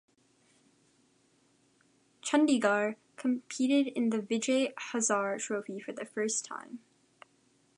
Chandigarh competed in the Vijay Hazare Trophy for the first time.